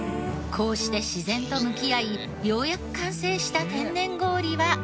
こうして自然と向き合いようやく完成した天然氷は。